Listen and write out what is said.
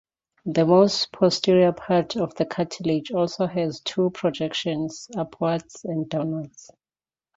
The most posterior part of the cartilage also has two projections upwards and downwards.